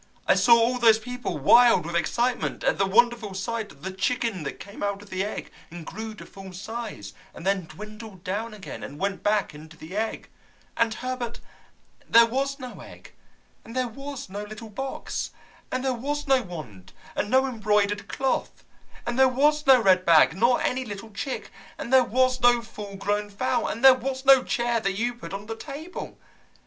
I saw all those people wild with excitement at the wonderful sight of the chicken that came out of the egg, and grew to full size, and then dwindled down again, and went back into the egg, and, Herbert, there was no egg, and there was no little box, and there was no wand, and no embroidered cloth, and there was no red bag, nor any little chick, and there was no full grown fowl, and there was no chair that you put on the table!